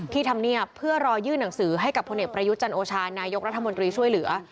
พี่ทำเนียบเพื่อยื่อน่างสือให้กับพประยุทธ์จันโอชานายุกรัฐมนตรีช่วยเหลือ